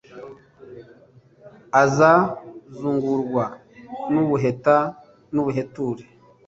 aza zungurwa n'ubuheta n'ubuheture